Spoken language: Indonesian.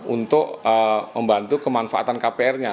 untuk membantu kemanfaatan kpr nya